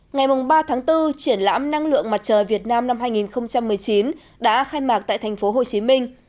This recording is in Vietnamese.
ngày ba bốn triển lãm năng lượng mặt trời việt nam năm hai nghìn một mươi chín đã khai mạc tại thành phố hồ chí minh